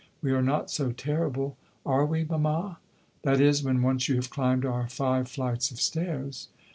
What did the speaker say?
"We are not so terrible, are we, mamma? that is, when once you have climbed our five flights of stairs."